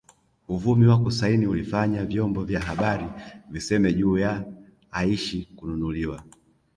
Uvumi wa kusaini ulifanya vyombo vya habari viseme juu ya Aishi kununuliwa